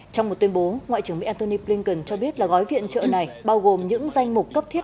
trong một tuyên bố ngoại trưởng mỹ antony blinken cho biết là gói viện trợ này bao gồm những danh mục cấp thiết